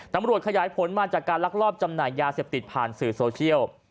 ตำรวจขยายผลมาจากการลักลอบจำหน่ายยาเสพติดผ่านสื่อโซเชียล